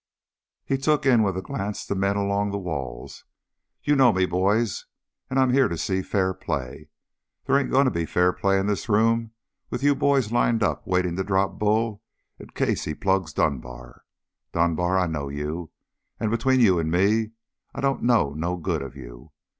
He took in with a glance the men along the walls. "You know me, boys, and I'm here to see fair play. They ain't going to be fair play in this room with you boys lined up waiting to drop Bull in case he plugs Dunbar. Dunbar, I know you. And between you and me, I don't know no good of you.